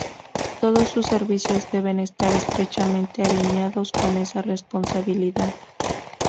Todos sus servicios deben estar estrechamente alineados con esa responsabilidad.